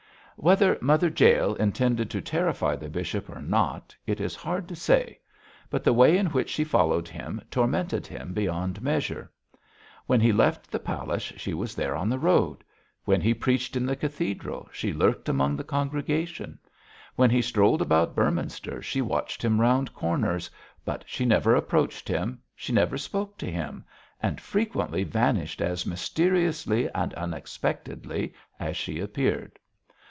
Whether Mother Jael intended to terrify the bishop or not it is hard to say, but the way in which she followed him tormented him beyond measure. When he left the palace she was there on the road; when he preached in the cathedral she lurked among the congregation; when he strolled about Beorminster she watched him round corners, but she never approached him, she never spoke to him, and frequently vanished as mysteriously and unexpectedly as she appeared.